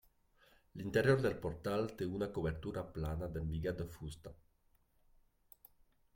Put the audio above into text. L'interior del portal té una cobertura plana d'embigat de fusta.